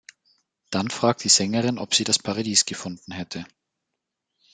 Dann fragt die Sängerin, „ob sie das Paradies gefunden hätte“.